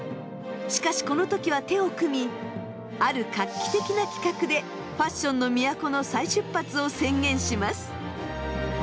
しかしこの時は手を組みある画期的な企画でファッションの都の再出発を宣言します。